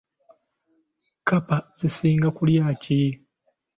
Kkapa zisinga kulya ki?